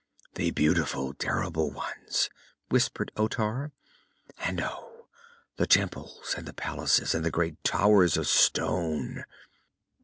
"The beautiful, terrible ones," whispered Otar. "And oh, the temples and the palaces, and the great towers of stone!"